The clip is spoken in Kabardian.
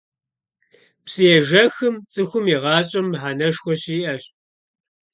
Псыежэхым цӀыхум и гъащӀэм мыхьэнэшхуэ щиӀэщ.